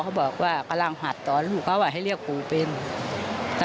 พ่อเขาบอกว่ากำลังหาดตอนอาลีเฤลลูก